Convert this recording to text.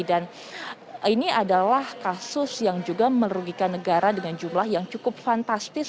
dan ini adalah kasus yang juga merugikan negara dengan jumlah yang cukup fantastis